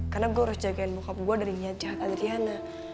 karena gue harus jagain bokap gue dari nyat jahat adriana